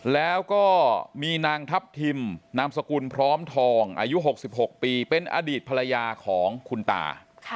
แล้วก็มีนางทัพทิมนามสกุลพร้อมทองอายุ๖๖ปีเป็นอดีตภรรยาของคุณตา